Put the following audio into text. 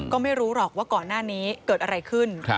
ก็ไม่รู้หรอกว่าก่อนหน้านี้เกิดอะไรขึ้น